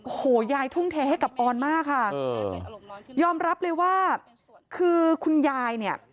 โอ้โหยายทุ่มเทให้กับออนมากค่ะยอมรับเลยว่าคือคุณยายเนี่ย